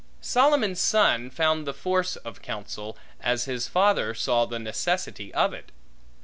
Solomon's son found the force of counsel, as his father saw the necessity of it.